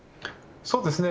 そうですね。